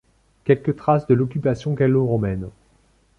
Quelques traces de l'occupation gallo-romaine.